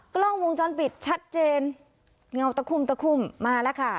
กล้องวงจรปิดชัดเจนเงาตะคุ่มตะคุ่มมาแล้วค่ะ